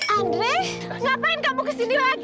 andre ngapain kamu kesini lagi